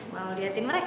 mau liatin mereka